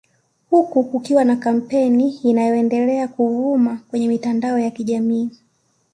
Huku kukiwa na kampeni inayoendelea kuvuma kwenye mitandao ya kijamii